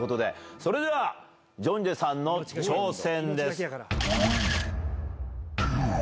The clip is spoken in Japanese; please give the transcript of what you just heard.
それでは、ジョンジェさんの挑戦